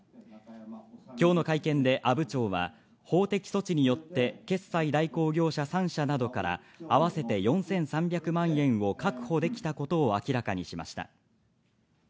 今日の会見で阿武町は法的措置によって決済代行業者３社などから合わせて４３００万円を確保できたことを明らかにしました。